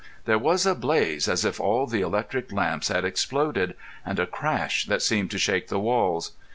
There was a blaze as if all the electric lamps had exploded, and a crash that seemed to shake the walls.